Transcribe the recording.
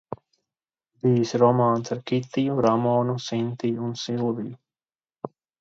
Bijis romāns ar Kitiju, Ramonu, Sintiju un Silviju.